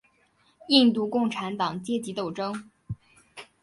印度共产党阶级斗争。